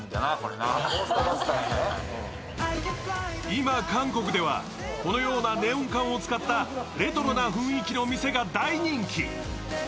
今、韓国ではこのようなネオン管を使ったレトロな雰囲気のお店が大人気